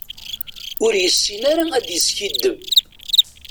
Ur yessin ara ad yeskiddeb.